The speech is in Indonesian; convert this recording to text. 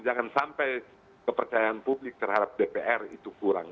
jangan sampai kepercayaan publik terhadap dpr itu kurang